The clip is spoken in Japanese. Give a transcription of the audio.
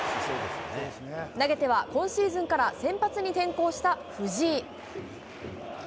投げては、今シーズンから先発に転向した藤井。